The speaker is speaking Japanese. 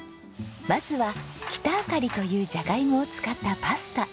まずはキタアカリというジャガイモを使ったパスタ。